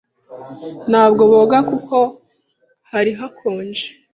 Ntabwo boga kuko hari hakonje.